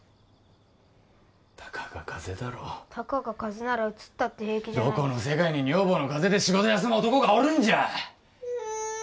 たかがカゼだろたかがカゼならうつったってどこの世界に女房のカゼで仕事休む男がおるんじゃ！